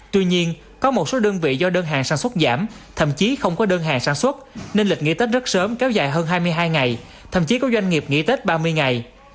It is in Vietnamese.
tuy nhiên có một số đơn vị do đơn hàng sản xuất giảm thậm chí không có đơn hàng sản xuất nên lịch nghỉ tết rất sớm kéo dài hơn hai mươi hai ngày thậm chí có doanh nghiệp nghỉ tết ba mươi ngày